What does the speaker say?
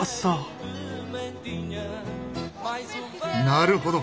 なるほど。